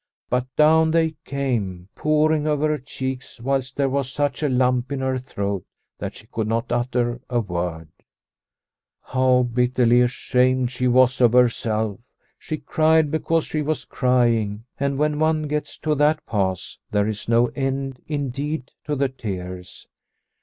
But down they came, pouring over her cheeks, 136 Liliecrona's Home whilst there was such a lump in her throat that she could not utter a word. How bitterly ashamed she was of herself. She cried because she was crying, and when one gets to that pass there is no end indeed to the tears.